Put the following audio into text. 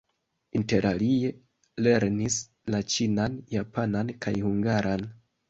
Interalie lernis la ĉinan, japanan kaj hungaran.